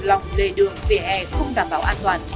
lòng lề đường vỉa hè không đảm bảo an toàn